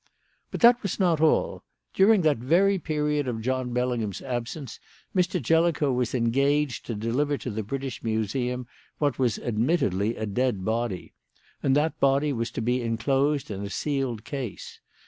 "But that was not all. During that very period of John Bellingham's absence Mr. Jellicoe was engaged to deliver to the British Museum what was admittedly a dead human body; and that body was to be enclosed in a sealed case.